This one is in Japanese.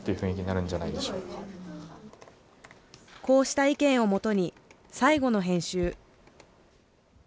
こうした意見をもとに、最後の編集。